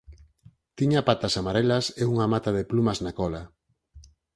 Tiña patas amarelas e unha mata de plumas na cola.